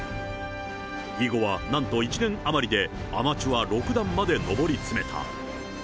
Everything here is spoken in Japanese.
囲碁はなんと１年余りでアマチュア６段まで上り詰めた。